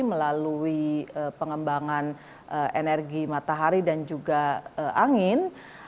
melalui pengembangan energi matahari dan juga angin